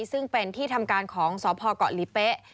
ซึ่งเป็นที่ทำการของสพเกาะหลีเป๊ะ